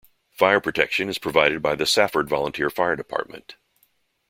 Fire protection is provided by the Safford Volunteer Fire Department.